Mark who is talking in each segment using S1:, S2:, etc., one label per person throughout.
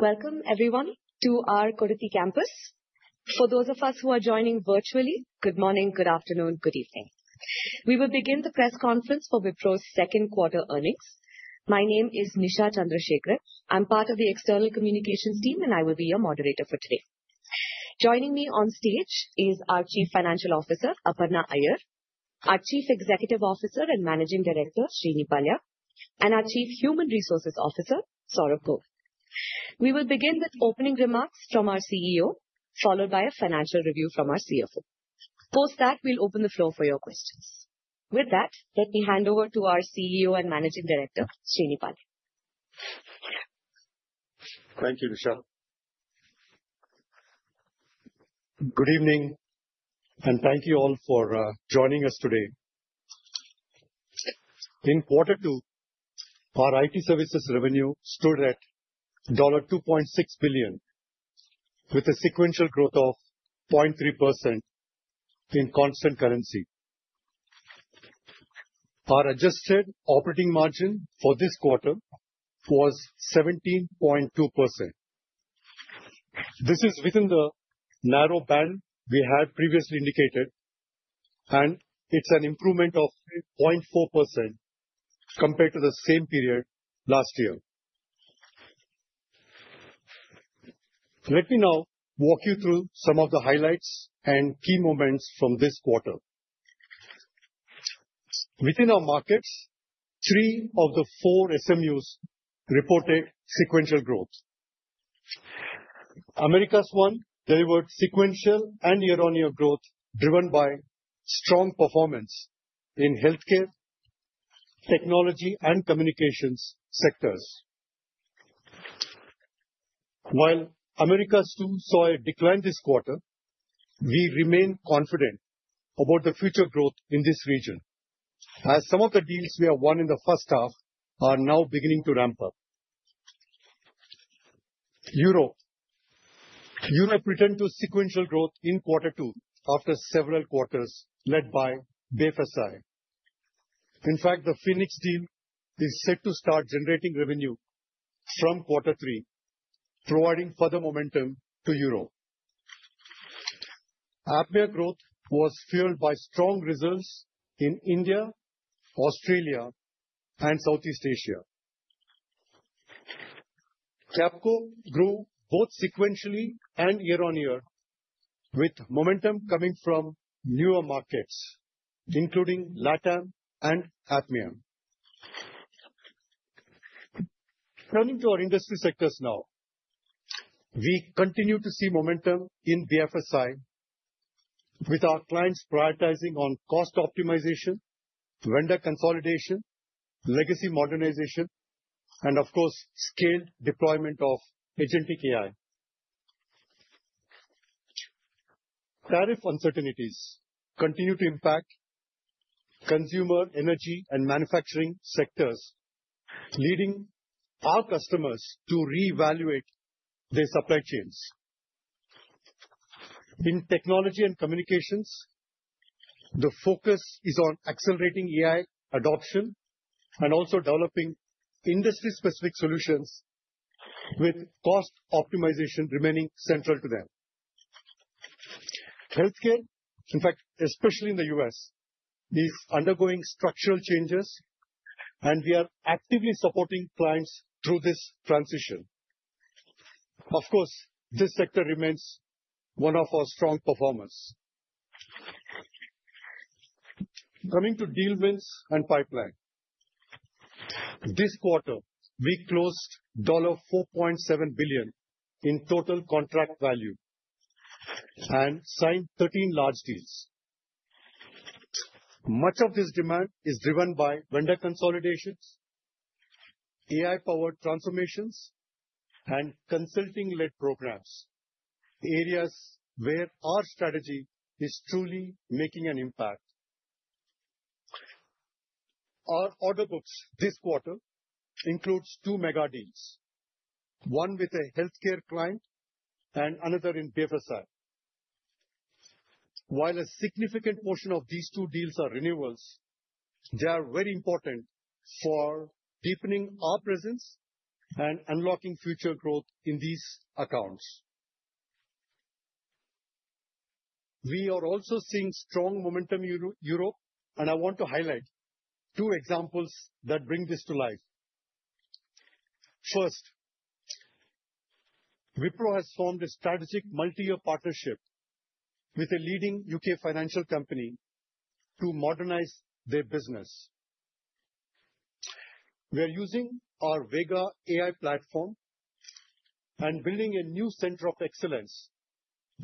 S1: Welcome, everyone, to our Kodathi campus. For those of us who are joining virtually, good morning, good afternoon, good evening. We will begin the press conference for Wipro's second quarter earnings. My name is Nisha Chandrasekaran. I'm part of the external communications team, and I will be your moderator for today. Joining me on stage is our Chief Financial Officer, Aparna Iyer, our Chief Executive Officer and Managing Director, Srini Pallia, and our Chief Human Resources Officer, Saurabh Govil. We will begin with opening remarks from our CEO, followed by a financial review from our CFO. Post that, we'll open the floor for your questions. With that, let me hand over to our CEO and Managing Director, Srini Pallia.
S2: Thank you, Nisha. Good evening, and thank you all for joining us today. In Quarter 2, our IT services revenue stood at $2.6 billion, with a sequential growth of 0.3% in constant currency. Our adjusted operating margin for this quarter was 17.2%. This is within the narrow band we had previously indicated, and it's an improvement of 0.4% compared to the same period last year. Let me now walk you through some of the highlights and key moments from this quarter. Within our markets, three of the four SMUs reported sequential growth. Americas 1 delivered sequential and year-on-year growth driven by strong performance in healthcare, technology, and communications sectors. While Americas 2 saw a decline this quarter, we remain confident about the future growth in this region, as some of the deals we have won in the first half are now beginning to ramp up. Europe presented sequential growth in Quarter 2 after several quarters led by BFSI. In fact, the Phoenix deal is set to start generating revenue from Quarter 3, providing further momentum to Europe. APMEA growth was fueled by strong results in India, Australia, and Southeast Asia. Capco grew both sequentially and year-on-year, with momentum coming from newer markets, including LATAM and APMEA. Turning to our industry sectors now, we continue to see momentum in BFSI, with our clients prioritizing on cost optimization, vendor consolidation, legacy modernization, and, of course, scaled deployment of agentic AI. Tariff uncertainties continue to impact consumer, energy and manufacturing sectors, leading our customers to reevaluate their supply chains. In technology and communications, the focus is on accelerating AI adoption and also developing industry-specific solutions, with cost optimization remaining central to them. Healthcare, in fact, especially in the U.S., is undergoing structural changes, and we are actively supporting clients through this transition. Of course, this sector remains one of our strong performers. Coming to deal wins and pipeline. This quarter, we closed $4.7 billion in total contract value and signed 13 large deals. Much of this demand is driven by vendor consolidations, AI-powered transformations, and consulting-led programs, areas where our strategy is truly making an impact. Our order books this quarter include two mega deals, one with a healthcare client and another in BFSI. While a significant portion of these two deals are renewals, they are very important for deepening our presence and unlocking future growth in these accounts. We are also seeing strong momentum in Europe, and I want to highlight two examples that bring this to life. First, Wipro has formed a strategic multi-year partnership with a leading UK financial company to modernize their business. We are using our WeGA I platform and building a new center of excellence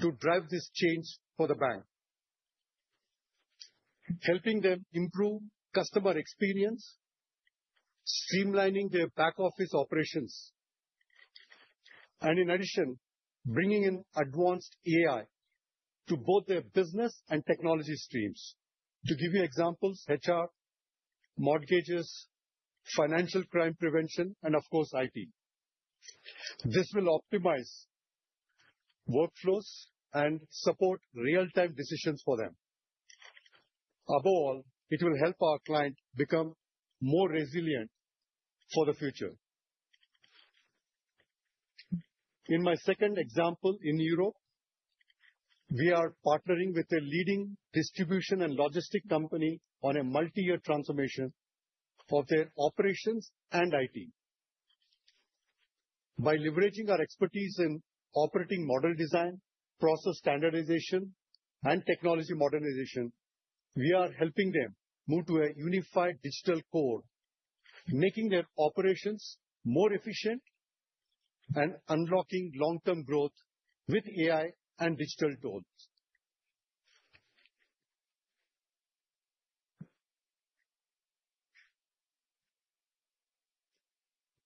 S2: to drive this change for the bank, helping them improve customer experience, streamlining their back office operations, and in addition, bringing in advanced AI to both their business and technology streams. To give you examples, HR, mortgages, financial crime prevention, and of course, IT. This will optimize workflows and support real-time decisions for them. Above all, it will help our client become more resilient for the future. In my second example in Europe, we are partnering with a leading distribution and logistics company on a multi-year transformation for their operations and IT. By leveraging our expertise in operating model design, process standardization, and technology modernization, we are helping them move to a unified digital core, making their operations more efficient and unlocking long-term growth with AI and digital tools.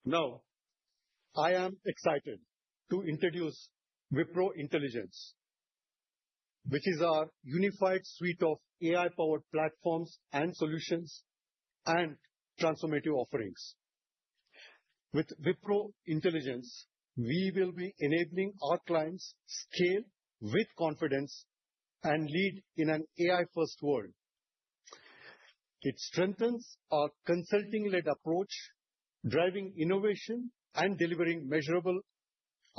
S2: Now, I am excited to introduce Wipro Intelligence, which is our unified suite of AI-powered platforms and solutions and transformative offerings. With Wipro Intelligence, we will be enabling our clients to scale with confidence and lead in an AI-first world. It strengthens our consulting-led approach, driving innovation and delivering measurable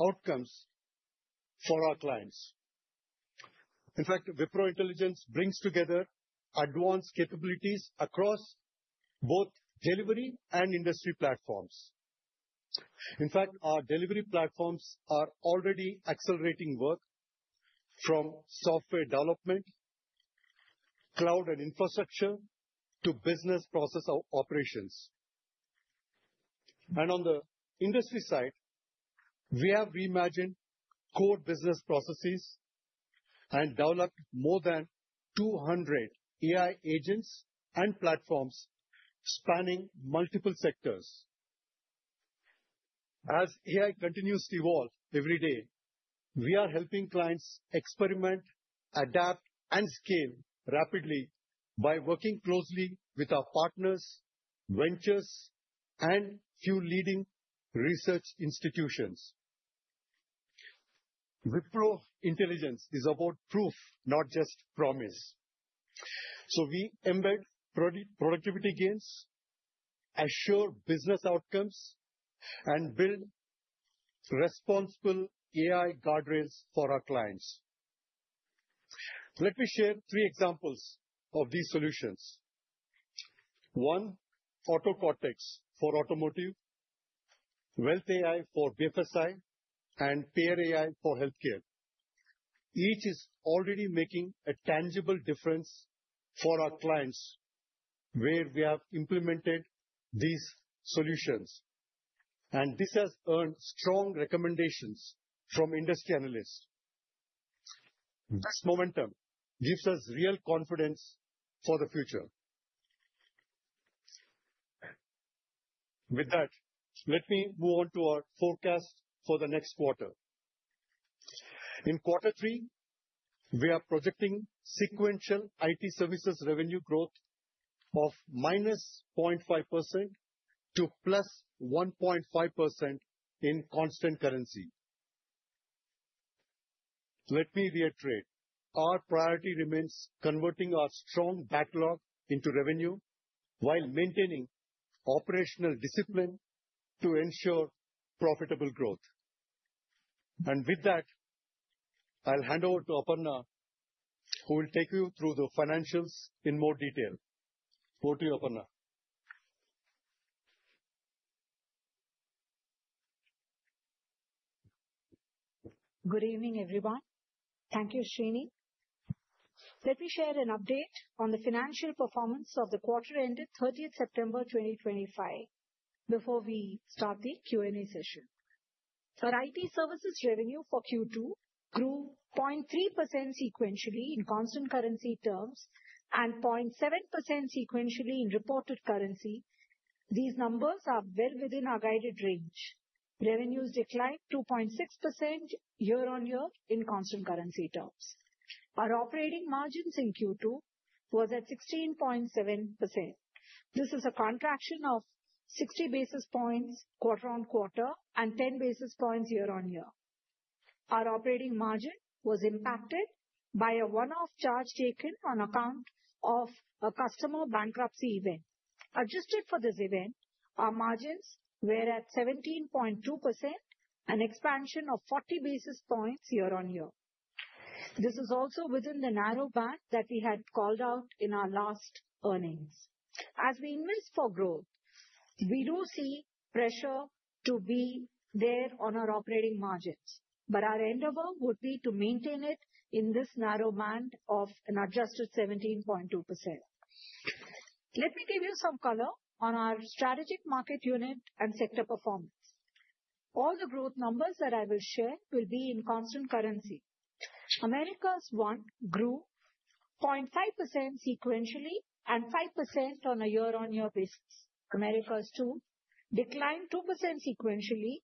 S2: outcomes for our clients. In fact, Wipro Intelligence brings together advanced capabilities across both delivery and industry platforms. In fact, our delivery platforms are already accelerating work from software development, cloud, and infrastructure to business process operations, and on the industry side, we have reimagined core business processes and developed more than 200 AI agents and platforms spanning multiple sectors. As AI continues to evolve every day, we are helping clients experiment, adapt, and scale rapidly by working closely with our partners, ventures, and few leading research institutions. Wipro Intelligence is about proof, not just promise. So we embed productivity gains, assure business outcomes, and build responsible AI guardrails for our clients. Let me share three examples of these solutions. One, AutoCortex for automotive, Wealth AI for BFSI, and Payer AI for healthcare. Each is already making a tangible difference for our clients where we have implemented these solutions, and this has earned strong recommendations from industry analysts. This momentum gives us real confidence for the future. With that, let me move on to our forecast for the next quarter. In Quarter 3, we are projecting sequential IT services revenue growth of -0.5% to +1.5% in constant currency. Let me reiterate, our priority remains converting our strong backlog into revenue while maintaining operational discipline to ensure profitable growth. And with that, I'll hand over to Aparna, who will take you through the financials in more detail. Over to you, Aparna.
S3: Good evening, everyone. Thank you, Srini. Let me share an update on the financial performance of the quarter ended 30th September 2025 before we start the Q&A session. Our IT services revenue for Q2 grew 0.3% sequentially in constant currency terms and 0.7% sequentially in reported currency. These numbers are well within our guided range. Revenues declined 2.6% year-on-year in constant currency terms. Our operating margins in Q2 were at 16.7%. This is a contraction of 60 basis points quarter on quarter and 10 basis points year-on-year. Our operating margin was impacted by a one-off charge taken on account of a customer bankruptcy event. Adjusted for this event, our margins were at 17.2%, an expansion of 40 basis points year-on-year. This is also within the narrow band that we had called out in our last earnings. As we invest for growth, we do see pressure to be there on our operating margins, but our intent would be to maintain it in this narrow band of an adjusted 17.2%. Let me give you some color on our strategic market unit and sector performance. All the growth numbers that I will share will be in constant currency. Americas 1 grew 0.5% sequentially and 5% on a year-on-year basis. Americas 2 declined 2% sequentially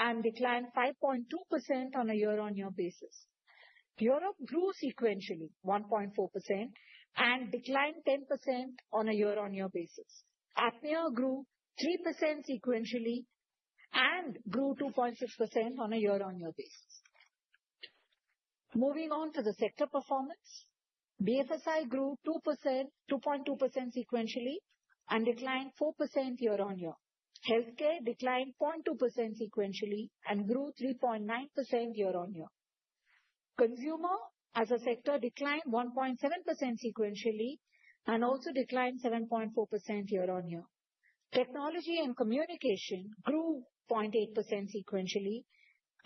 S3: and declined 5.2% on a year-on-year basis. Europe grew sequentially 1.4% and declined 10% on a year-on-year basis. APMEA grew 3% sequentially and grew 2.6% on a year-on-year basis. Moving on to the sector performance, BFSI grew 2.2% sequentially and declined 4% year-on-year. Healthcare declined 0.2% sequentially and grew 3.9% year-on-year. Consumer as a sector declined 1.7% sequentially and also declined 7.4% year-on-year. Technology and communication grew 0.8% sequentially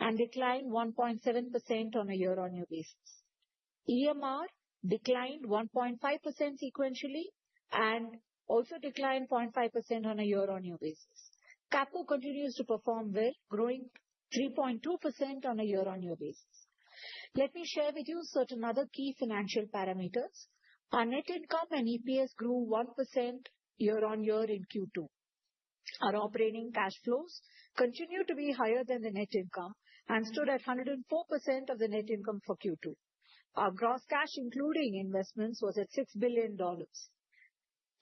S3: and declined 1.7% on a year-on-year basis. EMR declined 1.5% sequentially and also declined 0.5% on a year-on-year basis. Capco continues to perform well, growing 3.2% on a year-on-year basis. Let me share with you certain other key financial parameters. Our net income and EPS grew 1% year-on-year in Q2. Our operating cash flows continue to be higher than the net income and stood at 104% of the net income for Q2. Our gross cash, including investments, was at $6 billion.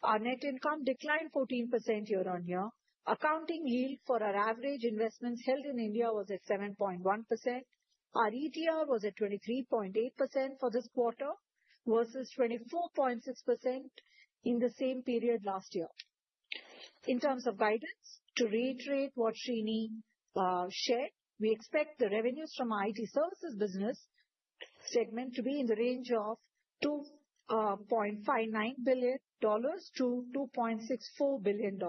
S3: Our net income declined 14% year-on-year. Accounting yield for our average investments held in India was at 7.1%. Our ETR was at 23.8% for this quarter versus 24.6% in the same period last year. In terms of guidance, to reiterate what Srini shared, we expect the revenues from our IT services business segment to be in the range of $2.59 billion-$2.64 billion.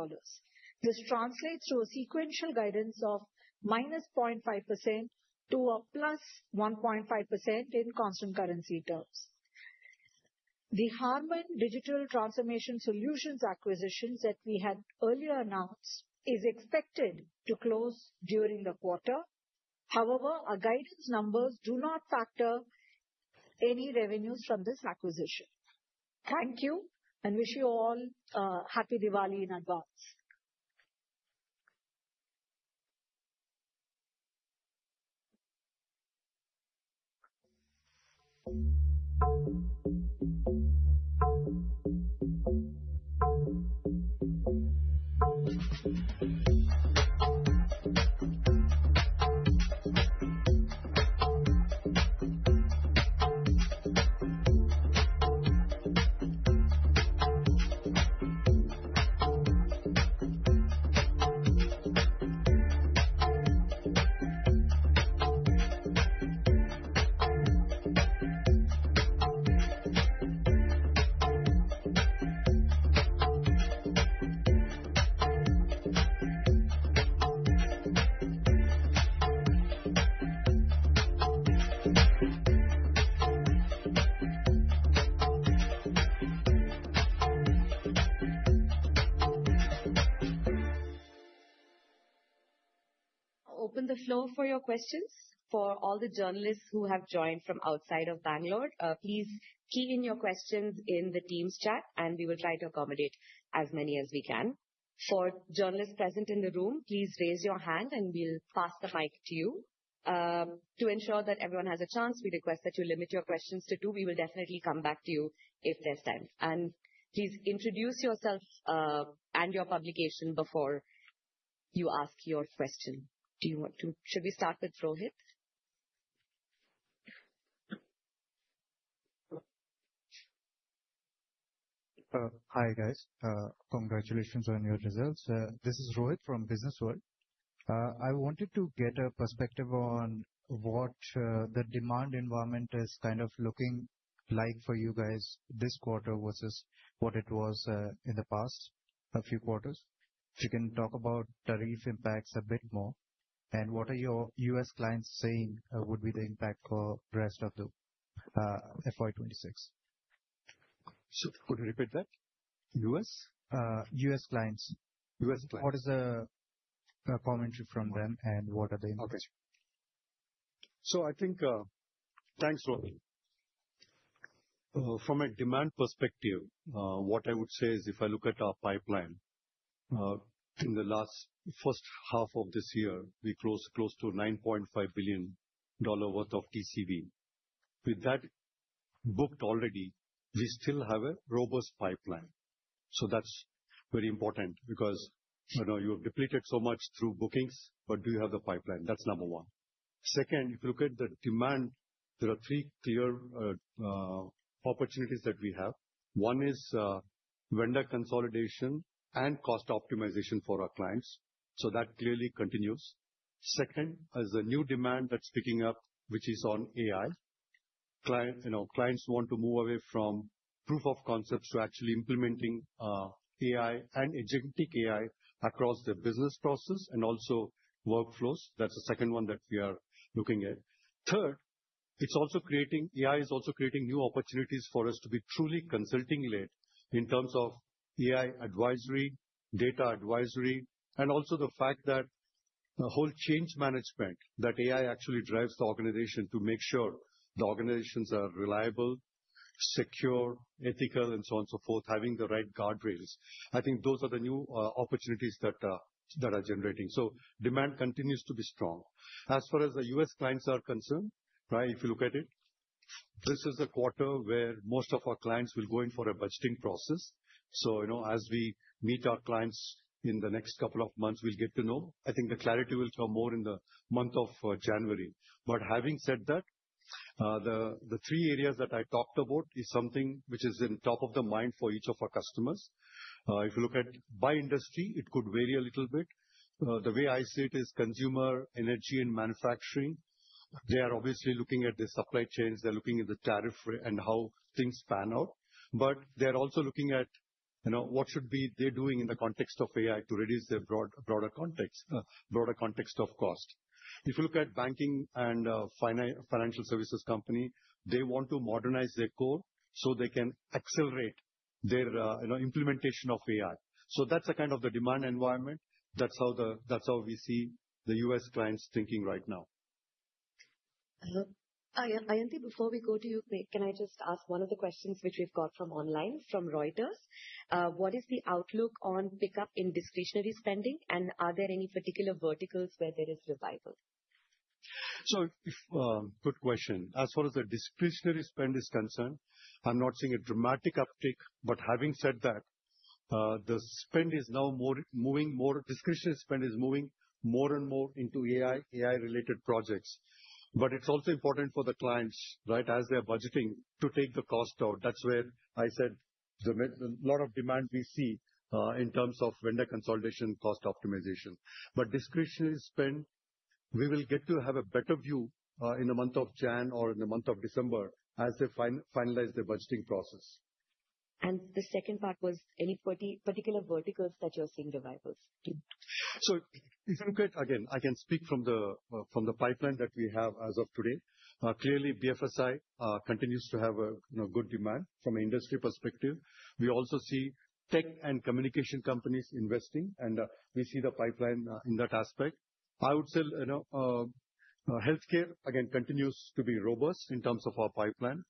S3: This translates to a sequential guidance of -0.5% to +1.5% in constant currency terms. The Harman Digital Transformation Solutions acquisitions that we had earlier announced is expected to close during the quarter. However, our guidance numbers do not factor any revenues from this acquisition. Thank you and wish you all a happy Diwali in advance. I'll open the floor for your questions for all the journalists who have joined from outside of Bengaluru. Please key in your questions in the Teams chat, and we will try to accommodate as many as we can. For journalists present in the room, please raise your hand, and we'll pass the mic to you. To ensure that everyone has a chance, we request that you limit your questions to two. We will definitely come back to you if there's time, and please introduce yourself and your publication before you ask your question. Do you want to? Should we start with Rohit?
S4: Hi guys. Congratulations on your results. This is Rohit from Businessworld. I wanted to get a perspective on what the demand environment is kind of looking like for you guys this quarter versus what it was in the past a few quarters. If you can talk about tariff impacts a bit more and what are your US clients saying would be the impact for the rest of the FY26?
S5: Could you repeat that?
S4: US?
S5: US clients. US clients.
S4: What is the commentary from them and what are the impacts?
S2: Okay. So I think thanks, Rohit. From a demand perspective, what I would say is if I look at our pipeline, in the last first half of this year, we closed close to $9.5 billion worth of TCV. With that booked already, we still have a robust pipeline. So that's very important because I know you have depleted so much through bookings, but do you have the pipeline? That's number one. Second, if you look at the demand, there are three clear opportunities that we have. One is vendor consolidation and cost optimization for our clients. So that clearly continues. Second, as the new demand that's picking up, which is on AI, clients want to move away from proof of concepts to actually implementing AI and agentic AI across their business process and also workflows. That's the second one that we are looking at. Third, it's also creating, AI is also creating new opportunities for us to be truly consulting-led in terms of AI advisory, data advisory, and also the fact that the whole change management, that AI actually drives the organization to make sure the organizations are reliable, secure, ethical, and so on and so forth, having the right guardrails. I think those are the new opportunities that are generating. So demand continues to be strong. As far as the U.S. clients are concerned, right, if you look at it, this is a quarter where most of our clients will go in for a budgeting process. So as we meet our clients in the next couple of months, we'll get to know. I think the clarity will come more in the month of January. But having said that, the three areas that I talked about is something which is in top of the mind for each of our customers. If you look at by industry, it could vary a little bit. The way I see it is consumer, energy, and manufacturing. They are obviously looking at the supply chains. They're looking at the tariff and how things pan out. But they're also looking at what they should be doing in the context of AI to reduce their broader context of cost. If you look at banking and financial services company, they want to modernize their core so they can accelerate their implementation of AI. So that's the kind of demand environment. That's how we see the U.S. clients thinking right now.
S1: Ayanti, before we go to you, can I just ask one of the questions which we've got from online from Reuters? What is the outlook on pickup in discretionary spending, and are there any particular verticals where there is revival?
S2: So good question. As far as the discretionary spend is concerned, I'm not seeing a dramatic uptick. But having said that, the spend is now moving more, discretionary spend is moving more and more into AI-related projects. But it's also important for the clients, right, as they're budgeting, to take the cost out. That's where I said a lot of demand we see in terms of vendor consolidation, cost optimization. But discretionary spend, we will get to have a better view in the month of January or in the month of December as they finalize their budgeting process.
S1: The second part was any particular verticals that you're seeing revivals?
S2: So if you look at, again, I can speak from the pipeline that we have as of today. Clearly, BFSI continues to have a good demand from an industry perspective. We also see tech and communication companies investing, and we see the pipeline in that aspect. I would say healthcare, again, continues to be robust in terms of our pipeline.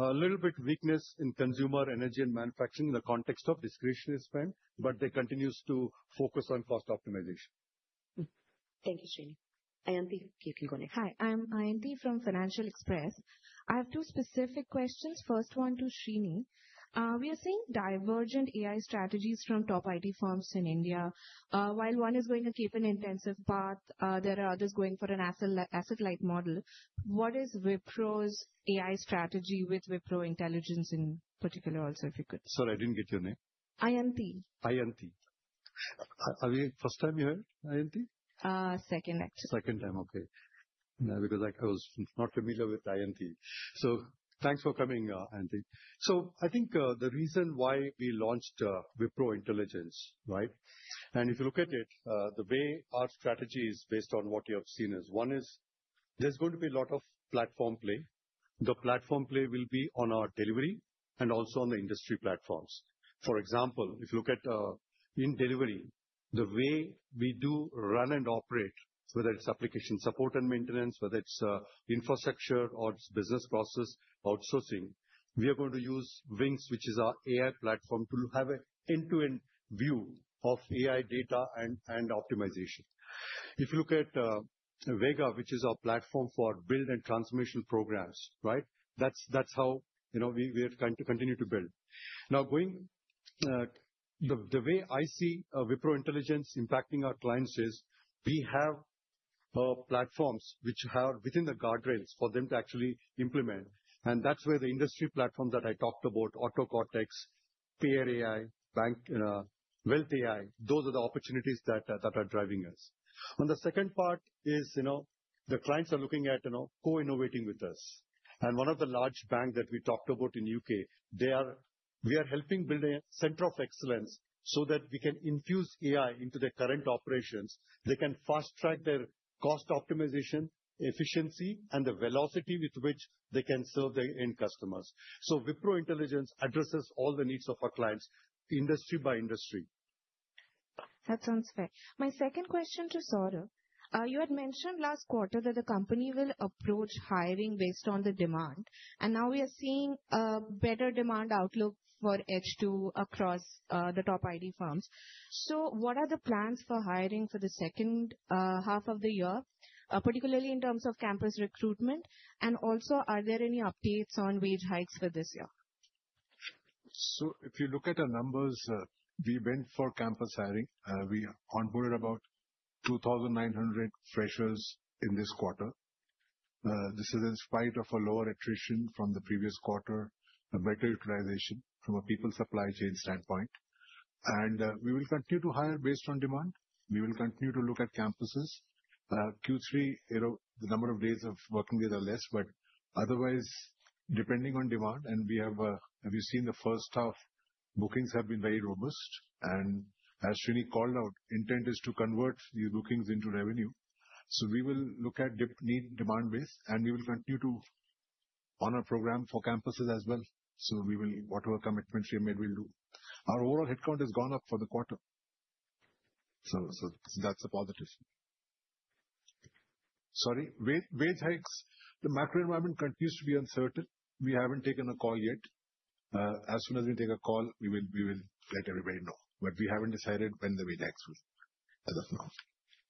S2: A little bit weakness in consumer, energy, and manufacturing in the context of discretionary spend, but they continue to focus on cost optimization.
S1: Thank you, Srini. Ayanti, you can go next.
S6: Hi, I'm Ayanti from Financial Express. I have two specific questions. First one to Srini. We are seeing divergent AI strategies from top IT firms in India. While one is going to keep an intensive path, there are others going for an asset-light model. What is Wipro's AI strategy with Wipro Intelligence in particular, also if you could?
S5: Sorry, I didn't get your name.
S6: Ayante.
S5: Is this the first time you heard, Ayanti? Second time. Second time, okay. Because I was not familiar with Ayanti. So thanks for coming, Ayanti. So I think the reason why we launched Wipro Intelligence, right? And if you look at it, the way our strategy is based on what you have seen is one is there's going to be a lot of platform play. The platform play will be on our delivery and also on the industry platforms. For example, if you look at in delivery, the way we do run and operate, whether it's application support and maintenance, whether it's infrastructure or it's business process outsourcing, we are going to use Wings, which is our AI platform, to have an end-to-end view of AI data and optimization. If you look at Vega, which is our platform for build and transformation programs, right? That's how we are going to continue to build. Now, going the way I see Wipro Intelligence impacting ourclients is we have platforms which are within the guardrails for them to actually implement, and that's where the industry platform that I talked about, AutoCortex, Payer AI, Wealth AI, those are the opportunities that are driving us. On the second part is the clients are looking at co-innovating with us, and one of the large banks that we talked about in the UK, we are helping build a center of excellence so that we can infuse AI into their current operations. They can fast-track their cost optimization, efficiency, and the velocity with which they can serve their end customers, so Wipro Intelligence addresses all the needs of our clients industry by industry.
S6: That sounds fair. My second question to Saurabh, you had mentioned last quarter that the company will approach hiring based on the demand. And now we are seeing a better demand outlook for H2 across the top IT firms. So what are the plans for hiring for the second half of the year, particularly in terms of campus recruitment? And also, are there any updates on wage hikes for this year?
S5: So if you look at our numbers, we went for campus hiring. We onboarded about 2,900 freshers in this quarter. This is in spite of a lower attrition from the previous quarter, a better utilization from a people supply chain standpoint. And we will continue to hire based on demand. We will continue to look at campuses. Q3, the number of days of working days are less, but otherwise, depending on demand, and we have seen the first half, bookings have been very robust. And as Srini called out, intent is to convert these bookings into revenue. So we will look at need demand base, and we will continue to honor program for campuses as well. So we will, whatever commitments we have made, we'll do. Our overall headcount has gone up for the quarter. So that's a positive. Sorry, wage hikes, the macro environment continues to be uncertain. We haven't taken a call yet. As soon as we take a call, we will let everybody know. But we haven't decided when the wage hikes will be as of now.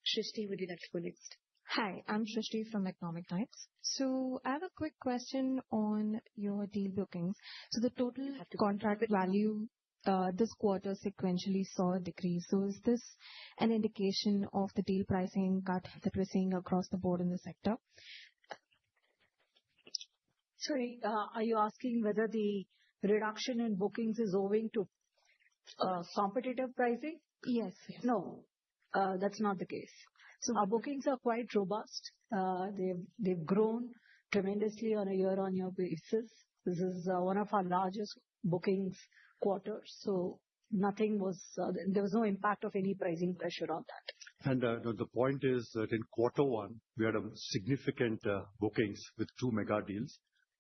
S1: Srishti, would you like to go next?
S7: Hi, I'm Srishti from The Economic Times. So I have a quick question on your deal bookings. So the total contract value this quarter sequentially saw a decrease. So is this an indication of the deal pricing cut that we're seeing across the board in the sector?
S1: Sorry, are you asking whether the reduction in bookings is owing to competitive pricing?
S3: Yes. No. That's not the case. Bookings are quite robust. They've grown tremendously on a year-on-year basis. This is one of our largest bookings quarters. There was no impact of any pricing pressure on that.
S5: The point is that in quarter one, we had significant bookings with two mega deals.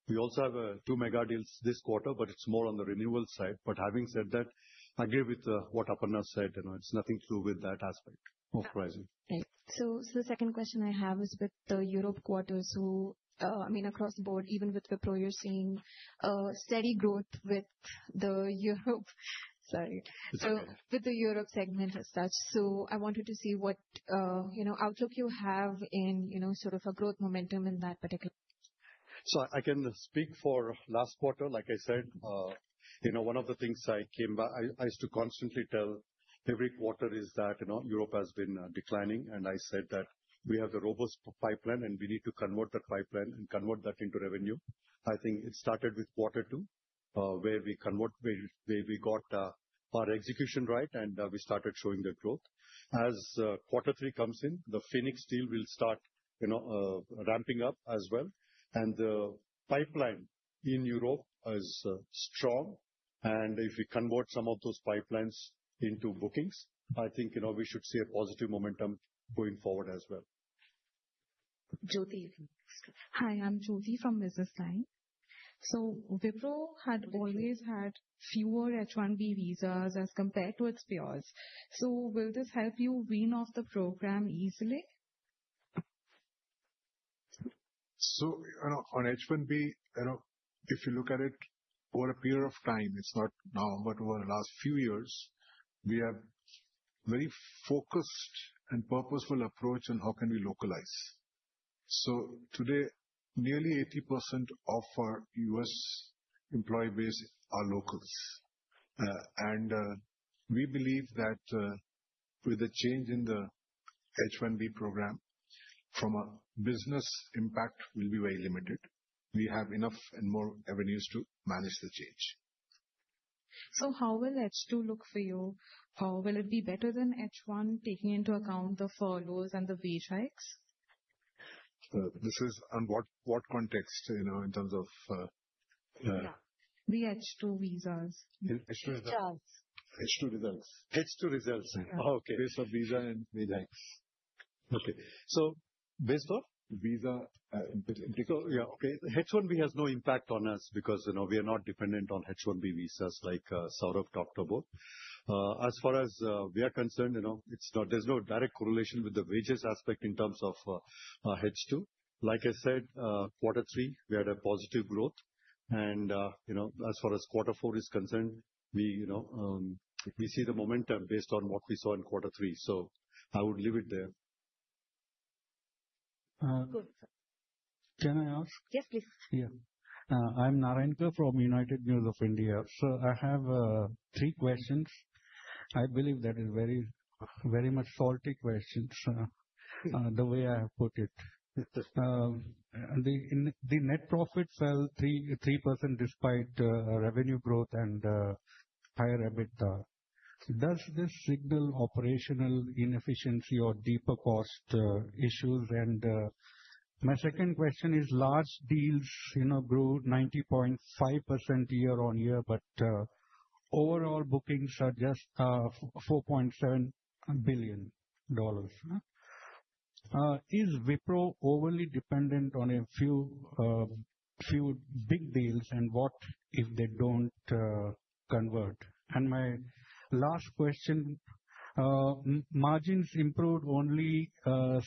S5: We also have two mega deals this quarter, but it's more on the renewal side. Having said that, I agree with what Aparna said. It's nothing to do with that aspect of pricing.
S7: So, the second question I have is with the Europe quarter. So, I mean, across the board, even with Wipro, you're seeing steady growth with the Europe segment as such. So, I wanted to see what outlook you have in sort of a growth momentum in that particular.
S5: I can speak for last quarter. Like I said, one of the things I came back, I used to constantly tell every quarter is that Europe has been declining. I said that we have the robust pipeline, and we need to convert that pipeline and convert that into revenue. I think it started with quarter two, where we converted, where we got our execution right, and we started showing the growth. As quarter three comes in, the Phoenix deal will start ramping up as well. The pipeline in Europe is strong. If we convert some of those pipelines into bookings, I think we should see a positive momentum going forward as well.
S1: Jyoti, you can start.
S8: Hi, I'm Jyoti from Business Line. So Wipro had always had fewer H-1B visas as compared to its peers. So will this help you wean off the program easily?
S5: So on H-1B, if you look at it over a period of time, it's not now, but over the last few years, we have a very focused and purposeful approach on how can we localize. So today, nearly 80% of our U.S. employee base are locals. And we believe that with the change in the H-1B program, from a business impact, will be very limited. We have enough and more avenues to manage the change.
S8: So how will H2 look for you? Will it be better than H1, taking into account the furloughs and the wage hikes?
S5: This is on what context in terms of? Yeah.
S8: The H1 B visas.
S1: H-2 results.
S5: H-2 results. H-2 results. Okay. Based on visa and wage hikes. Okay. So based on visa? Yeah. Okay. H-1B has no impact on us because we are not dependent on H-1B visas like Saurabh talked about. As far as we are concerned, there's no direct correlation with the wages aspect in terms of H-2. Like I said, quarter three, we had a positive growth. And as far as quarter four is concerned, we see the momentum based on what we saw in quarter three. So I would leave it there. Can I ask?
S1: Yes, please.
S9: Yeah. I'm Narayanan from United News of India. So I have three questions. I believe that is very much salty questions the way I have put it. The net profit fell 3% despite revenue growth and higher EBITDA. Does this signal operational inefficiency or deeper cost issues? And my second question is large deals grew 90.5% year on year, but overall bookings are just $4.7 billion. Is Wipro overly dependent on a few big deals, and what if they don't convert? And my last question, margins improved only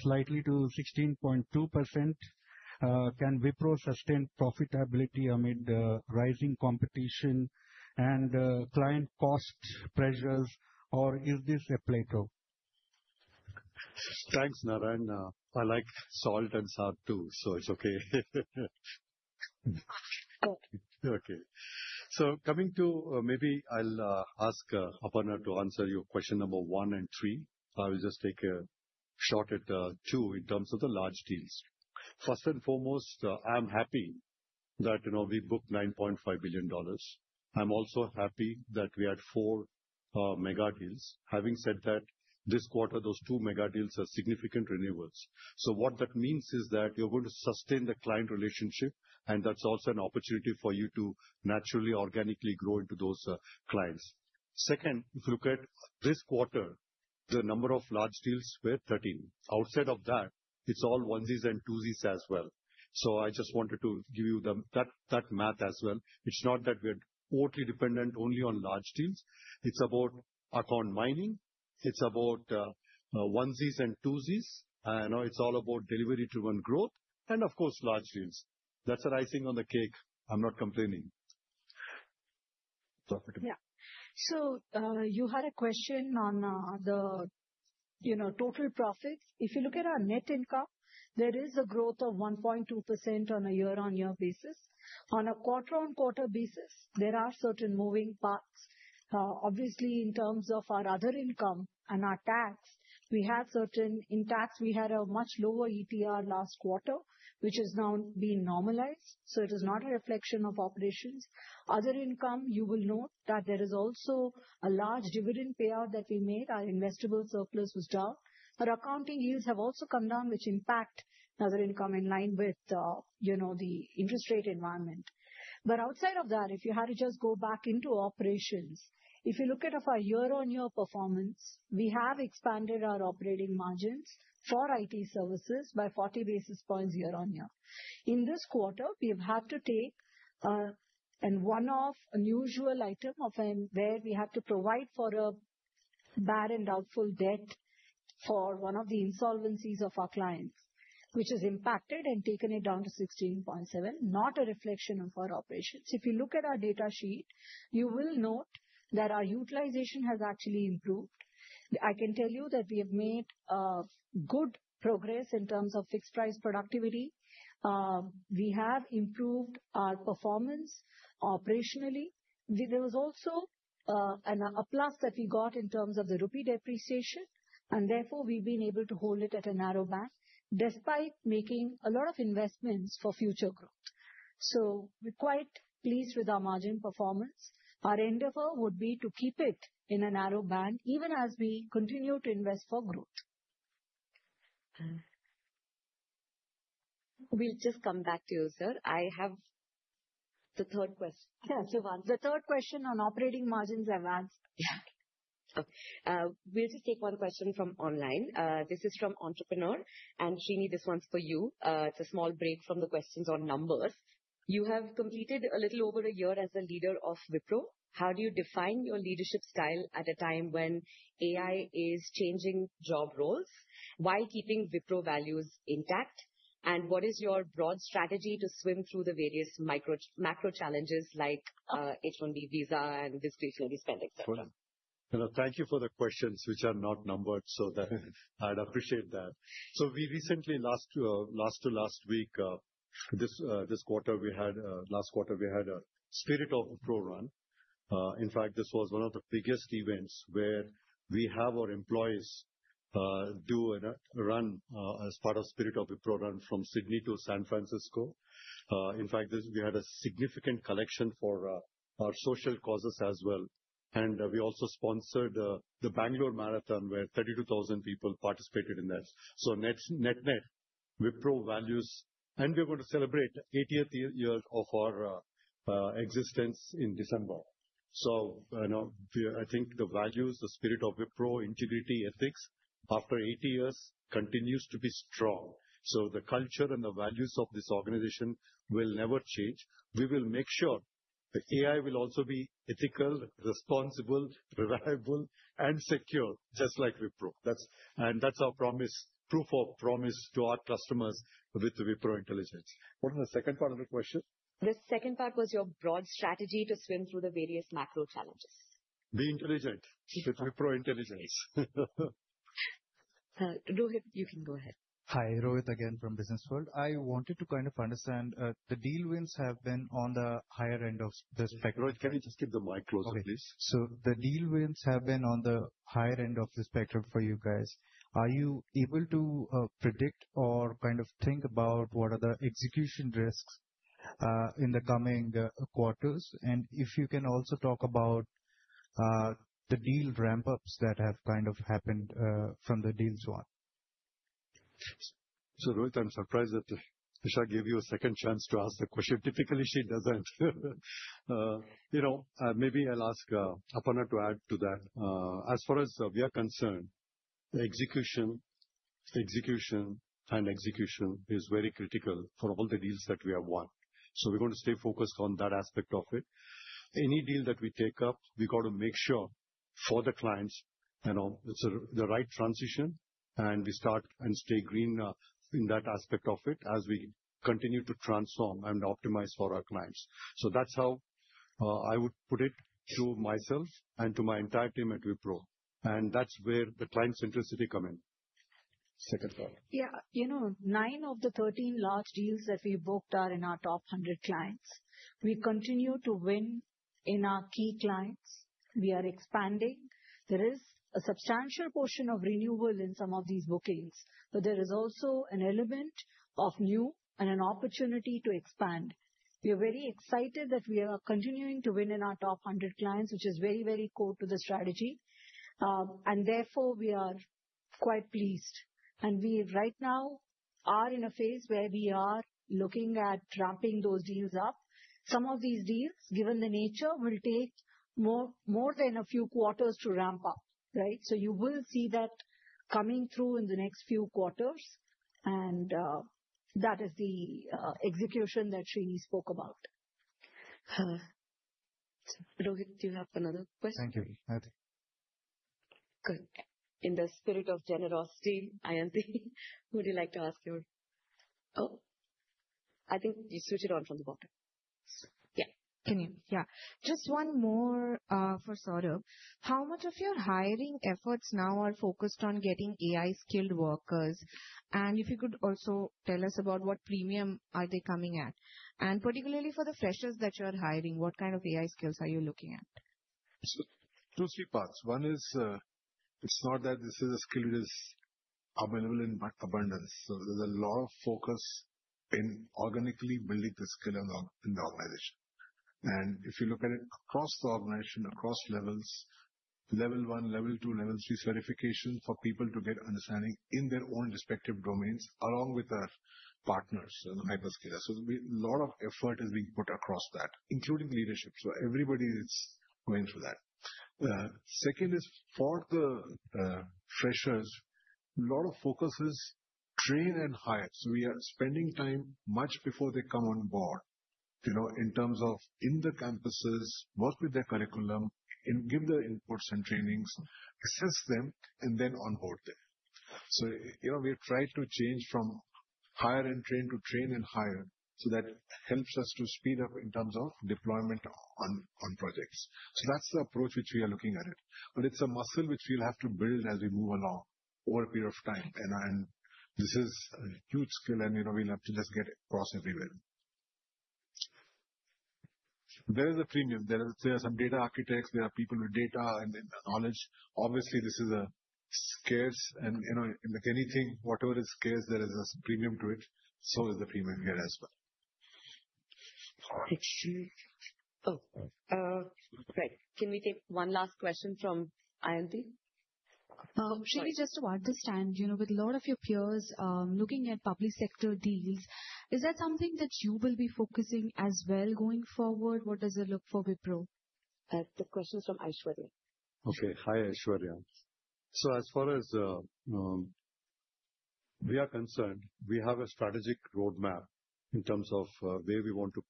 S9: slightly to 16.2%. Can Wipro sustain profitability amid rising competition and client cost pressures, or is this a plateau?
S5: Thanks, Narayan. I like salt and sour too, so it's okay. Okay. So coming to maybe I'll ask Aparna to answer your question number one and three. I will just take a shot at two in terms of the large deals. First and foremost, I'm happy that we booked $9.5 billion. I'm also happy that we had four mega deals. Having said that, this quarter, those two mega deals are significant renewals. So what that means is that you're going to sustain the client relationship, and that's also an opportunity for you to naturally, organically grow into those clients. Second, if you look at this quarter, the number of large deals were 13. Outside of that, it's all onesies and twosies as well. So I just wanted to give you that math as well. It's not that we're totally dependent only on large deals. It's about account mining. It's about onesies and twosies. It's all about delivery-driven growth and, of course, large deals. That's the icing on the cake. I'm not complaining.
S1: Yeah. So you had a question on the total profit. If you look at our net income, there is a growth of 1.2% on a year-on-year basis. On a quarter-on-quarter basis, there are certain moving parts. Obviously, in terms of our other income and our tax, in tax we had a much lower ETR last quarter, which has now been normalized. So it is not a reflection of operations. Other income, you will note that there is also a large dividend payout that we made. Our investable surplus was down. Our accounting yields have also come down, which impacted other income in line with the interest rate environment. But outside of that, if you had to just go back into operations, if you look at our year-on-year performance, we have expanded our operating margins for IT services by 40 basis points year-on-year. In this quarter, we have had to take one-off unusual item of where we had to provide for a bad and doubtful debt for one of the insolvencies of our clients, which has impacted and taken it down to 16.7%, not a reflection of our operations. If you look at our data sheet, you will note that our utilization has actually improved. I can tell you that we have made good progress in terms of fixed-price productivity. We have improved our performance operationally. There was also a plus that we got in terms of the rupee depreciation. And therefore, we've been able to hold it at a narrow band despite making a lot of investments for future growth. So we're quite pleased with our margin performance. Our endeavor would be to keep it in a narrow band even as we continue to invest for growth.
S9: We'll just come back to you, sir. I have the third question.
S1: Yeah, the third question on operating margins advance.
S9: Yeah. Okay. We'll just take one question from online. This is from Entrepreneur. And Srini, this one's for you. It's a small break from the questions on numbers. You have completed a little over a year as the leader of Wipro. How do you define your leadership style at a time when AI is changing job roles while keeping Wipro values intact? And what is your broad strategy to swim through the various macro challenges like H-1B visa and discretionary spending?
S5: Thank you for the questions, which are not numbered, so I'd appreciate that. So we recently, last to last week, this quarter, we had last quarter, we had a Spirit of Wipro Run. In fact, this was one of the biggest events where we have our employees do a run as part of Spirit of Wipro Run from Sydney to San Francisco. In fact, we had a significant collection for our social causes as well. And we also sponsored the Bangalore Marathon where 32,000 people participated in that. So net net, Wipro values, and we're going to celebrate 80th year of our existence in December. So I think the values, the spirit of Wipro, integrity, ethics, after 80 years continues to be strong. So the culture and the values of this organization will never change. We will make sure the AI will also be ethical, responsible, reliable, and secure, just like Wipro. And that's our promise, proof of promise to our customers with the Wipro Intelligence. What was the second part of the question?
S9: The second part was your broad strategy to swim through the various macro challenges.
S5: Be intelligent with Wipro Intelligence.
S1: Rohit, you can go ahead.
S4: Hi, Rohit again from Business World. I wanted to kind of understand the deal wins have been on the higher end of the spectrum.
S5: Rohit, can you just keep the mic closer, please?
S4: So the deal wins have been on the higher end of the spectrum for you guys. Are you able to predict or kind of think about what are the execution risks in the coming quarters, and if you can also talk about the deal ramp-ups that have kind of happened from the deal swap?
S5: So Rohit, I'm surprised that Nisha gave you a second chance to ask the question. Typically, she doesn't. Maybe I'll ask Aparna to add to that. As far as we are concerned, the execution is very critical for all the deals that we have won. So we're going to stay focused on that aspect of it. Any deal that we take up, we got to make sure for the clients it's the right transition, and we start and stay green in that aspect of it as we continue to transform and optimize for our clients. So that's how I would put it to myself and to my entire team at Wipro. And that's where the client centricity comes in. Second thought.
S1: Yeah. Nine of the 13 large deals that we booked are in our top 100 clients. We continue to win in our key clients. We are expanding. There is a substantial portion of renewal in some of these bookings, but there is also an element of new and an opportunity to expand. We are very excited that we are continuing to win in our top 100 clients, which is very, very core to the strategy. And therefore, we are quite pleased. And we right now are in a phase where we are looking at ramping those deals up. Some of these deals, given the nature, will take more than a few quarters to ramp up, right? So you will see that coming through in the next few quarters. And that is the execution that Srini spoke about. Rohit, do you have another question?
S4: Thank you.
S1: Good. In the spirit of generosity, Ayanti, would you like to ask your - oh, I think you switched it on from the bottom. Yeah.
S6: Can you? Yeah. Just one more for Saurabh. How much of your hiring efforts now are focused on getting AI-skilled workers? And if you could also tell us about what premium are they coming at? And particularly for the freshers that you're hiring, what kind of AI skills are you looking at?
S5: So, two or three parts. One is it's not that this is a skill that is available in abundance. So, there's a lot of focus in organically building the skill in the organization. And if you look at it across the organization, across levels, level one, level two, level three certification for people to get understanding in their own respective domains along with our partners and hyperscalers. So, a lot of effort is being put across that, including leadership. So, everybody is going through that. Second is for the freshers, a lot of focus is train and hire. So, we are spending time much before they come on board in terms in the campuses, work with their curriculum, give the inputs and trainings, assess them, and then onboard them. So we have tried to change from hire and train to train and hire so that helps us to speed up in terms of deployment on projects. So that's the approach which we are looking at it. But it's a muscle which we'll have to build as we move along over a period of time. And this is a huge skill, and we'll have to just get across everywhere. There is a premium. There are some data architects. There are people with data and knowledge. Obviously, this is scarce. And like anything, whatever is scarce, there is a premium to it. So is the premium here as well.
S1: Right. Can we take one last question from Ayanti?
S10: Srini, just about this time, with a lot of your peers looking at public sector deals, is that something that you will be focusing as well going forward? What does it look like for Wipro?
S1: The question is from Aishwarya.
S2: Okay. Hi, Aishwarya. So as far as we are concerned, we have a strategic roadmap in terms of where we want to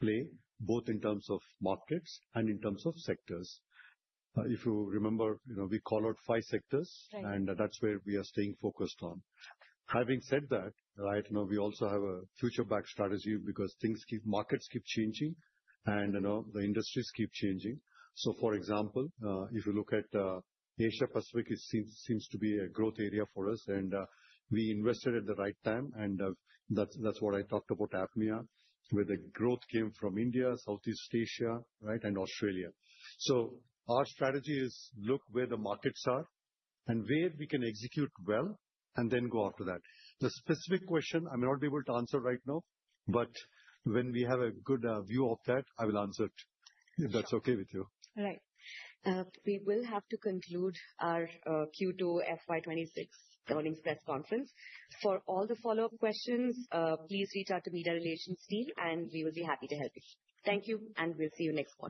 S2: play, both in terms of markets and in terms of sectors. If you remember, we call out five sectors, and that's where we are staying focused on. Having said that, right, we also have a future-backed strategy because markets keep changing and the industries keep changing. So for example, if you look at Asia Pacific, it seems to be a growth area for us. And we invested at the right time. And that's what I talked about, APMEA, where the growth came from India, Southeast Asia, right, and Australia. So our strategy is look where the markets are and where we can execute well and then go after that. The specific question, I may not be able to answer right now, but when we have a good view of that, I will answer it if that's okay with you.
S1: Right. We will have to conclude our Q2 FY26 earnings press conference. For all the follow-up questions, please reach out to Media Relations team, and we will be happy to help you. Thank you, and we'll see you next month.